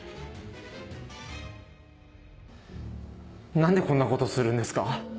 何でこんなことするんですか？